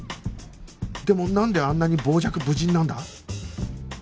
でもなんであんなに傍若無人なんだ？